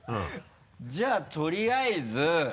じゃあとりあえず。